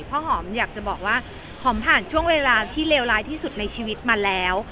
เพราะหอมอยากจะบอกว่าหอมผ่านช่วงเวลาที่เลวร้ายที่สุดในชีวิตมาแล้ว